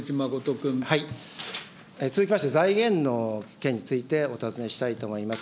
続きまして、財源の件についてお尋ねしたいと思います。